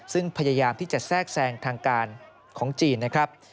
ซึ่งพยายามที่จะแทรกแทรงทางการของจีนนะครับ